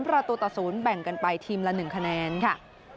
ประตูต่อ๐แบ่งกันไปทีมละ๑คะแนนค่ะ